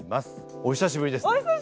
お久しぶりですよ！